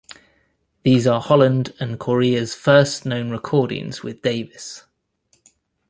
These are Holland and Corea's first known recordings with Davis.